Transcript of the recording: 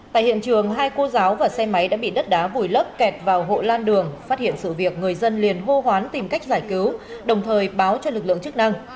tại hiện trường hai cô giáo và xe máy đã bị đất đá vùi lấp kẹt vào hộ lan đường phát hiện sự việc người dân liền hô hoán tìm cách giải cứu đồng thời báo cho lực lượng chức năng